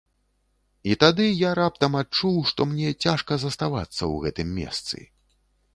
І тады я раптам адчуў, што мне цяжка заставацца ў гэтым месцы.